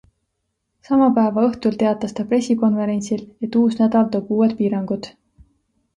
Sama päeva õhtul teatas ta pressikonverentsil, et uus nädal toob uued piirangud.